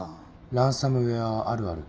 ランサムウェアあるある。